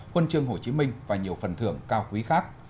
huân chương hồ chí minh và nhiều phần thưởng cao quý khác